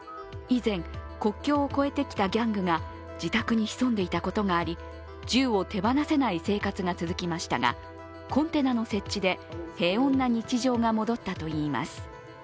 以前、国境を越えてきたギャングが自宅に潜んでいたことがあり銃が手放せない生活が続きましたがコンテナの設置で平穏な日常が戻ったといいます。